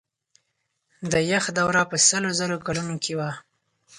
د یخ دوره په سلو زرو کلونو کې وه.